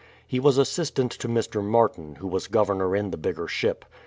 He was assistant to IMr. Martin, who was governor in the bigger ship.